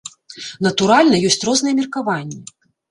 Натуральна, ёсць розныя меркаванні!